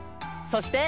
そして！